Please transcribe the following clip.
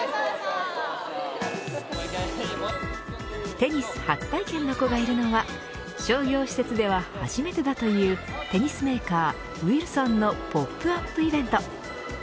テニス初体験の子がいるのは商業施設では初めてとだというテニスメーカーウイルソンのポップアップイベント。